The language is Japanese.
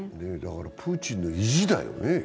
プーチンの意地だよね。